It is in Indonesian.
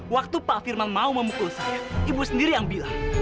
waktu pak firman mau memukul saya ibu sendiri yang bilang